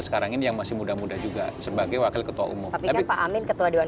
sekarang ini yang masih muda muda juga sebagai wakil ketua umum tapi pak amin ketua dewan